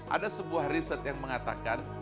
ada sebuah riset yang mengatakan